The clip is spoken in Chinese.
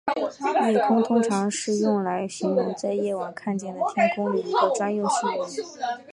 夜空通常是用来形容在夜晚看见的天空的一个专用术语。